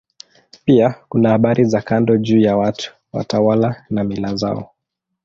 Pia kuna habari za kando juu ya watu, watawala na mila zao.